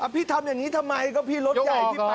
พี่ทำอย่างนี้ทำไมก็พี่รถใหญ่พี่ไป